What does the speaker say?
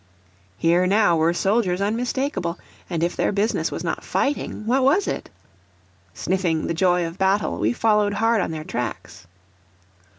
Here, now, were soldiers unmistakable; and if their business was not fighting, what was it? Sniffing the joy of battle, we followed hard on their tracks.